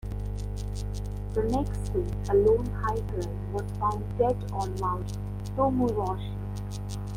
The next day a lone hiker was found dead on Mount Tomuraushi.